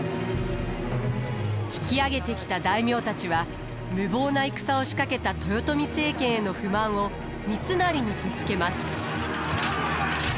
引き揚げてきた大名たちは無謀な戦を仕掛けた豊臣政権への不満を三成にぶつけます。